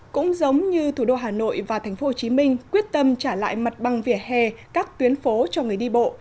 cũng giống như thủ đô hà nội và thành phố hồ chí minh quyết tâm trả lại mặt băng vỉa hè các tuyến phố cho người đi bộ